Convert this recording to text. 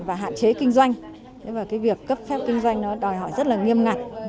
và hạn chế kinh doanh việc cấp phép kinh doanh đòi hỏi rất nghiêm ngặt